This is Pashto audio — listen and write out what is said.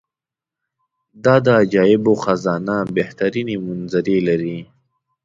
دا د عجایبو خزانه بهترینې منظرې لري.